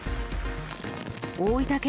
大分県